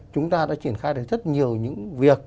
chúng ta đã triển khai được rất nhiều những việc